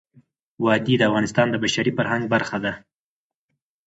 وادي د افغانستان د بشري فرهنګ برخه ده.